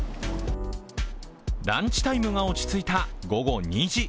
ランチタイムが落ち着いた午後２時。